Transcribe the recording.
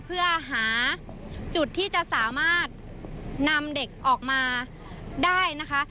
เพื่อหาจุดที่จะสามารถนำเด็กออกมาได้นะคะ